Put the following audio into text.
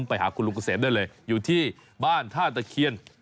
ไปหาคุณลุงเกษมได้เลยอยู่ที่บ้านท่าตะเคียน